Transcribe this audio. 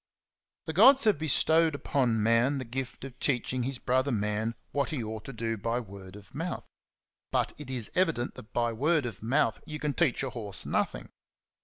The gods have bestowed upon man the gift of teaching his brother man what he ought to do by word of mouth ; but it is evident that by word of mouth you can teach a horse nothing.